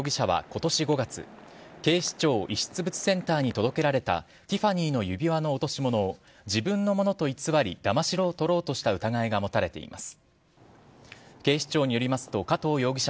加藤晃容疑者はことし５月、警視庁遺失物センターに届けられたティファニーの指輪の落とし物を自分のものと偽りだまし取ろうとした疑いが持たれています。